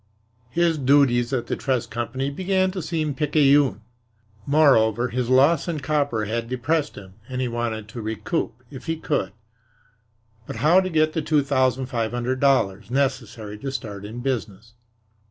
His duties at the trust company began to seem picayune. Moreover, his loss in copper had depressed him and he wanted to recoup, if he could. But how to get the two thousand five hundred dollars necessary to start in business?